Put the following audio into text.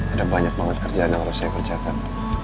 ada banyak banget kerjaan yang harus saya kerjakan